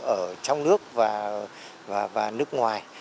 ở trong nước và nước ngoài